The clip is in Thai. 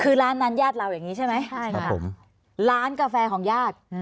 คือร้านนั้นญาติเราอย่างนี้ใช่ไหมใช่ค่ะร้านกาแฟของญาติ